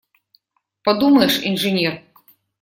Подумаешь – инженер!